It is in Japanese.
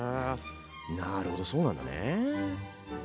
なるほどそうなんだね。